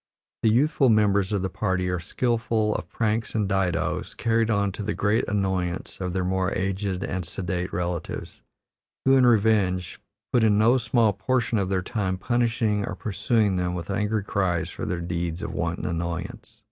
The youthful members of the party are skillful of pranks and didoes, carried on to the great annoyance of their more aged and sedate relatives, who, in revenge, put in no small portion of their time punishing or pursuing them with angry cries for their deeds of wanton annoyance.